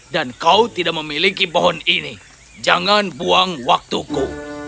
dan kau tidak memiliki pohon ini jangan buang waktuku